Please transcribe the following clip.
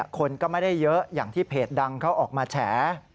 คนก็ไม่ได้เยอะอย่างที่เพจดังเขาออกมาแฉ